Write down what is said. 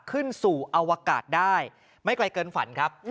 ขึ้นสู่อวกาศได้ไม่ไกลเกินฝันครับ